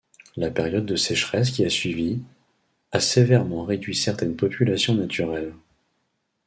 La période de sécheresse qui a suivi, a sévèrement réduit certaines populations naturelles.